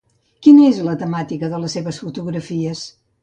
Quina és la temàtica de les seves fotografies?